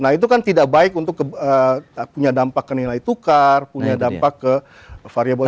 nah itu kan tidak baik untuk punya dampak ke nilai tukar punya dampak ke variable